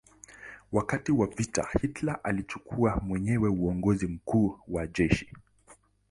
Wakati wa vita Hitler alichukua mwenyewe uongozi mkuu wa jeshi.